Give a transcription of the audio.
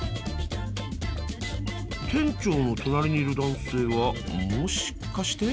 店長の隣にいる男性はもしかして。